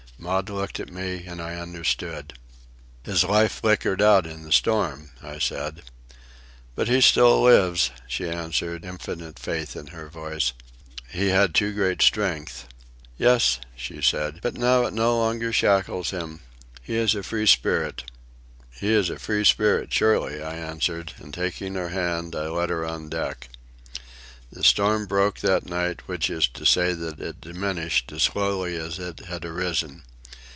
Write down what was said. Maud looked at me and I understood. "His life flickered out in the storm," I said. "But he still lives," she answered, infinite faith in her voice. "He had too great strength." "Yes," she said, "but now it no longer shackles him. He is a free spirit." "He is a free spirit surely," I answered; and, taking her hand, I led her on deck. The storm broke that night, which is to say that it diminished as slowly as it had arisen.